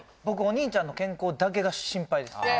僕お兄ちゃんの健康だけが心配です